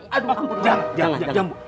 jangan jangan jangan